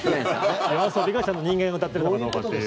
ＹＯＡＳＯＢＩがちゃんと人間が歌ってるのかどうかっていう。